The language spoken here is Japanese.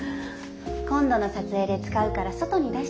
今度の撮影で使うから外に出してるみたい。